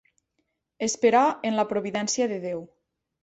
Esperar en la providència de Déu.